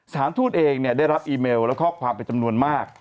สถานทูตเองได้รับอีเมลและข้อความเป็นจำนวนมาก